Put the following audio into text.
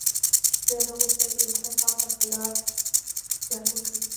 ده نه غوښتل چې د خپل قوم پر خلاف جنګ وکړي.